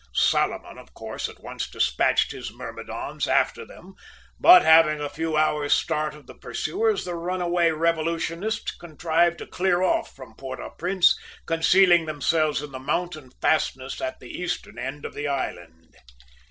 "Salomon, of course, at once despatched his myrmidons after them, but having a few hours' start of the pursuers the runaway revolutionists contrived to clear off from Port au Prince, concealing themselves in the mountain fastnesses at the eastern end of the island.